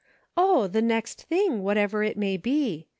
" Oh ! the next thing, whatever it may be.